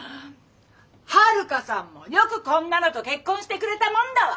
遥さんもよくこんなのと結婚してくれたもんだわ！